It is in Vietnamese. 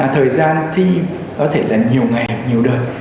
thời gian thi có thể là nhiều ngày nhiều đợt